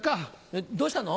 えっどうしたの？